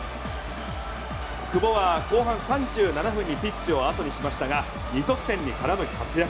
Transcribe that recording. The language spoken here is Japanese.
久保は後半３７分にピッチを後にしましたが２得点に絡む活躍。